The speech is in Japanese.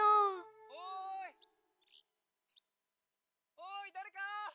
おいだれか！」。